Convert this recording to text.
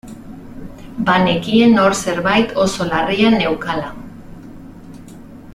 Banekien hor zerbait oso larria neukala.